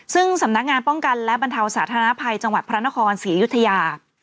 ซึ่งสำนักงานป้องกันและบรรเทาสาธารณภัยจังหวัดพระนครศรีอยุธยา